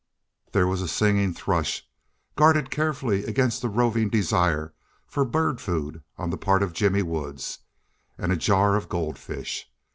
There was a singing thrush, guarded carefully against a roving desire for bird food on the part of Jimmy Woods, and a jar of goldfish.